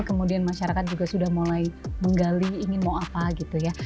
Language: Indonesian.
kemudian masyarakat juga sudah mulai menggali ingin mau apa gitu ya